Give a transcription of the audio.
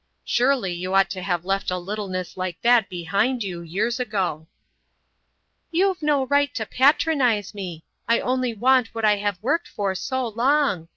Surely you ought to have left a littleness like that behind you, years ago." "You've no right to patronise me! I only want what I have worked for so long.